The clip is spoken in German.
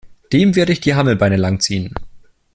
Dem werde ich die Hammelbeine lang ziehen!